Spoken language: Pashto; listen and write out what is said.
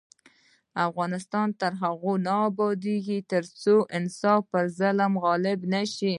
افغانستان تر هغو نه ابادیږي، ترڅو انصاف پر ظلم غالب نشي.